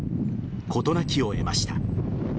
事なきを得ました。